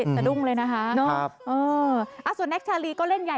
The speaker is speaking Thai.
สะดุ้งเลยนะคะส่วนแก๊กชาลีก็เล่นใหญ่